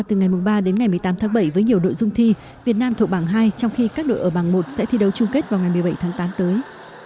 từ ngày ba đến ngày một mươi tám tháng bảy với nhiều nội dung thi việt nam thuộc bảng hai trong khi các đội ở bảng một sẽ thi đấu chung kết vào ngày một mươi bảy tháng tám tới